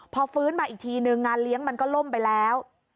พอฟื้นมาอีกทีนึงงานเลี้ยงมันก็ล่มไปแล้ว